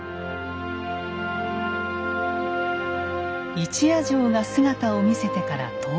一夜城が姿を見せてから１０日後。